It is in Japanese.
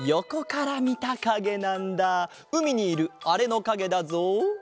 うみにいるあれのかげだぞ。